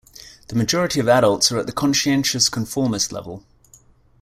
The majority of adults are at the conscientious-conformist level.